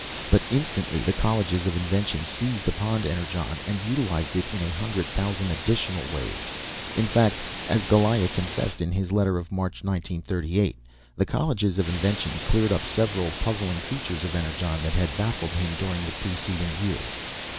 But instantly the colleges of invention seized upon Energon and utilized it in a hundred thousand additional ways. In fact, as Goliah confessed in his letter of March 1938, the colleges of invention cleared up several puzzling features of Energon that had baffled him during the preceding years.